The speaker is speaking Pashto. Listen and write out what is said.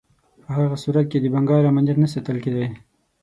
په هغه صورت کې د بنګال امنیت نه ساتل کېدی.